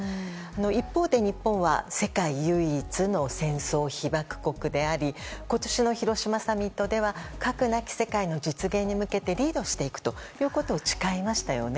一方で日本は世界唯一の戦争被爆国であり今年の広島サミットでは核なき世界の実現に向けてリードしていくということを誓いましたよね。